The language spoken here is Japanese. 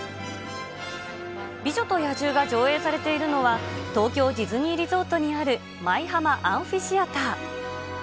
美女と野獣が上演されているのは東京ディズニーリゾートにある舞浜アンフィシアター。